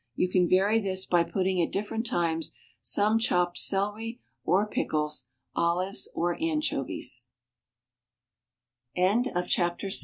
You can vary this by putting at different times some chopped celery or pickles, olives, or anchovies. CHAPTER VII.